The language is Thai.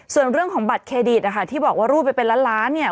ส่วนเรื่องของบัตรเครดิตนะคะที่บอกว่ารูดไปเป็นล้านล้านเนี่ย